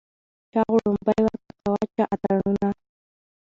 چا غړومبی ورته کاوه چا اتڼونه